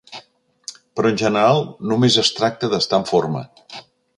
Però en general només es tracta d'estar en forma.